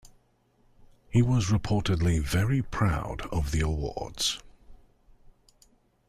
He was reportedly very proud of the awards.